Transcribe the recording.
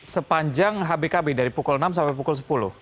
sepanjang hbkb dari pukul enam sampai pukul sepuluh